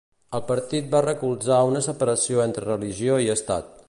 El partit va recolzar una separació entre religió i Estat.